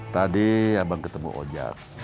tadi abang ketemu ojak